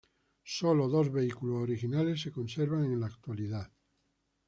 Solo dos vehículos originales se conservan en la actualidad.